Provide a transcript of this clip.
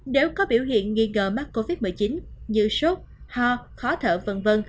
nếu có biểu hiện nghi ngờ mắc covid một mươi chín như sốt ho khó thở v v